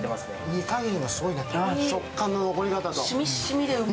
煮加減がすごいね、食感の残り方が。